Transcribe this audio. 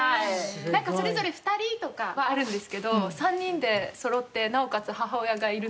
なんかそれぞれ２人とかはあるんですけど３人でそろってなおかつ母親がいるのは初めて。